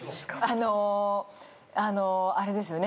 あのうあれですよね。